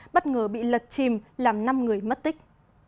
bất ngờ bị lật chìm làm năm người mất tích